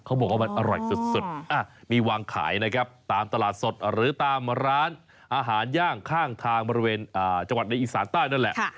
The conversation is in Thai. เขาบอกว่ามันอร่อยสุดมีวางขายนะครับตามตลาดสดหรือตามร้านอาหารย่างข้างทางบริเวณจังหวัดในอีสานใต้นั่นแหละ